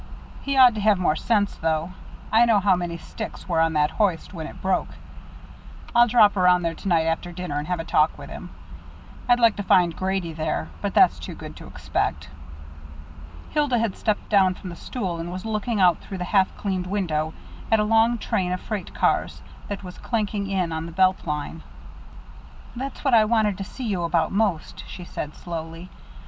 He ought to have more sense, though. I know how many sticks were on that hoist when it broke. I'll drop around there to night after dinner and have a talk with him. I'd like to find Grady there but that's too good to expect." Hilda had stepped down from the stool, and was looking out through the half cleaned window at a long train of freight cars that was clanking in on the Belt Line. "That's what I wanted to see you about most," she said slowly.